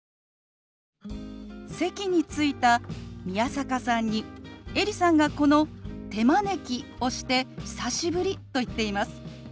席に着いた宮坂さんにエリさんがこの「手招き」をして「久しぶり」と言っています。